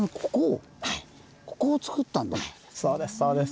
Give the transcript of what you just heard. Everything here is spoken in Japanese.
そうですそうです。